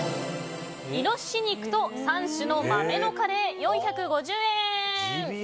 猪肉と３種の豆のカレー４５０円。